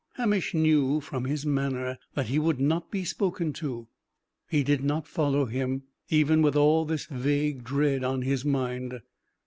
Hamish knew from his manner that he would not be spoken to. He did not follow him, even with all this vague dread on his mind.